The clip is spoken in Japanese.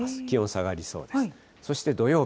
気温、下がりそうです。